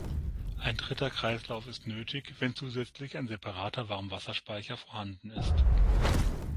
Ein dritter Kreislauf ist nötig, wenn zusätzlich ein separater Warmwasserspeicher vorhanden ist.